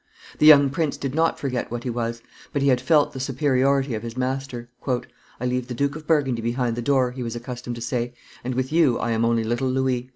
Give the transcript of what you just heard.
The young prince did not forget what he was, but he had felt the superiority of his master. "I leave the Duke of Burgundy behind the door," he was accustomed to say, "and with you I am only little Louis."